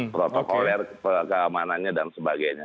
protokolet keamanannya dan sebagainya